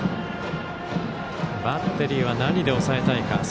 バッテリーは何で抑えたいか。